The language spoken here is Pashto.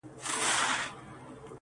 قلندر چي د خداى دوست وو بختور وو،